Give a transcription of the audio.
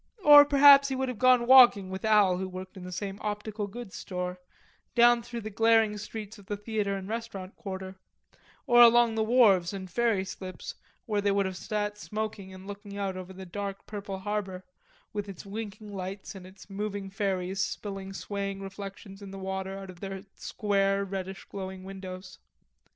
Or perhaps he would have gone walking with Al, who worked in the same optical goods store, down through the glaring streets of the theatre and restaurant quarter, or along the wharves and ferry slips, where they would have sat smoking and looking out over the dark purple harbor, with its winking lights and its moving ferries spilling swaying reflections in the water out of their square reddish glowing windows.